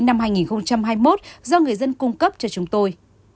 năm hai nghìn hai mươi một do người dân cung cấp cho chúng tôi